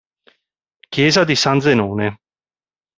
Chiesa di San Zenone